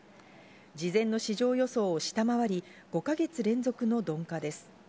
事前の市場予想を下回り、５か月連続の鈍化です。